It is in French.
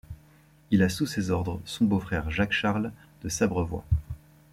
Il a sous ses ordres, son beau-frère Jacques-Charles de Sabrevois.